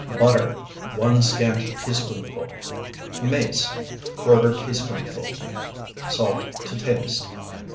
Butter, 1 scant teaspoonful. Mace, ¼ teaspoonful. Salt to taste.